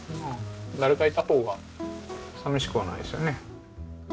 誰かいた方が寂しくはないですよね。